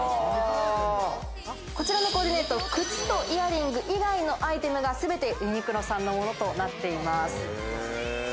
こちらのコーディネート、靴とイヤリング以外のアイテムが全てユニクロさんのものとなっています。